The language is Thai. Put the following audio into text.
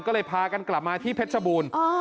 ก็เลยพากันกลับมาที่เพชรชบูรณ์